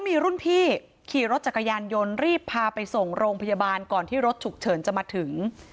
มีรุ่นพี่ขี่รถจักรยานยนต์รีบพาไปส่งโรงพยาบาลก่อนที่รถฉุกเฉินจะมาถึง